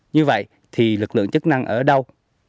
như vậy thì lực lượng chức năng ở đâu